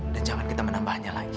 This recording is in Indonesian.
dan jangan kita menambahnya lagi